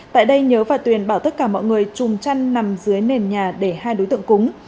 tại đây nhớ và tuyền bảo tất cả mọi người trùm chăn nằm dưới nền nhà để hai đối tượng cúng